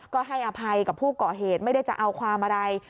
ก็ให้อภัยกับผู้ก่อเหตุไม่ได้จะเอาความอะไร